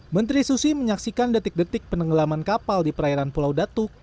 menteri susi menyaksikan detik detik penenggelaman kapal di perairan pulau datuk